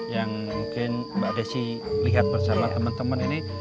yang mungkin mbak desi lihat bersama teman teman ini